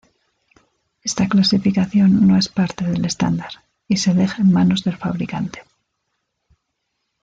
Esta clasificación no es parte del estándar, y se deja en manos del fabricante.